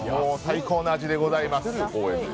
もう最高の味でございます。